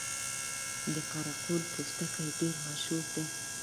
د قره قل پوستکي ډیر مشهور دي